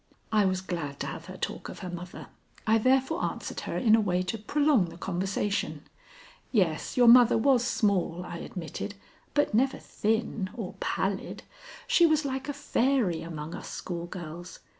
I was glad to have her talk of her mother. I therefore answered her in a way to prolong the conversation. "Yes, your mother was small," I admitted, "but never thin or pallid. She was like a fairy among us schoolgirls.